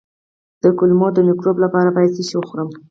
د کولمو د مکروب لپاره باید څه شی وخورم؟